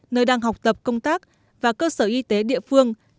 nơi đang học tập công tác và cơ sở y tế địa phương